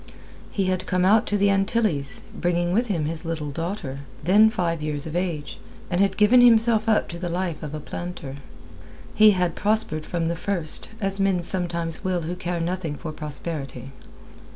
He had come out to the Antilles, bringing with him his little daughter, then five years of age, and had given himself up to the life of a planter. He had prospered from the first, as men sometimes will who care nothing for prosperity.